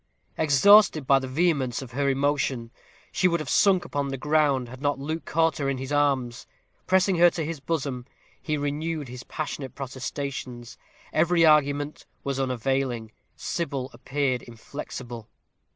Exhausted by the vehemence of her emotion, she would have sunk upon the ground, had not Luke caught her in his arms. Pressing her to his bosom, he renewed his passionate protestations. Every argument was unavailing. Sybil appeared inflexible.